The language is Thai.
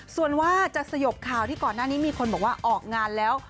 ส่วนว่าจะสยบข่าวที่ก่อนหน้านี้มีคนบอกว่าออกงานแล้ว